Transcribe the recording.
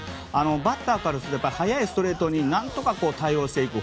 バッターからすれば速いストレートに何とか対応していく。